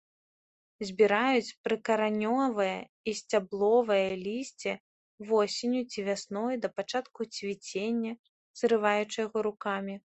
Збіраюць прыкаранёвае і сцябловае лісце восенню ці вясной, да пачатку цвіцення, зрываючы яго рукамі.